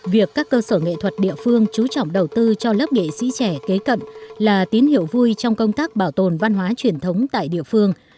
việc các cơ sở nghệ thuật địa phương chú trọng đầu tư cho lớp nghệ sĩ trẻ kế cận là tín hiệu vui trong công tác bảo tồn văn hóa truyền thống tại địa phương